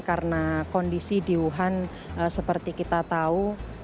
karena kondisi di wuhan seperti kita tahu